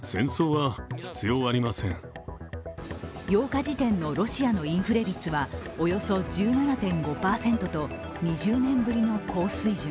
８日時点のロシアのインフレ率はおよそ１７．５％と２０年ぶりの高水準。